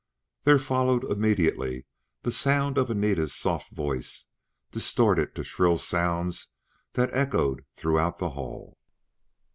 There followed immediately the sound of Anita's soft voice distorted to shrill sounds that echoed throughout the hall.